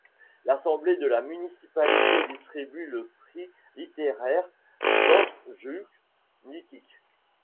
L'assemblée de la municipalité distribue le prix littéraire Srboljub Mitić.